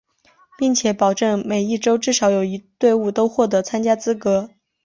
并且保证每一洲至少有一队伍都获得参加资格。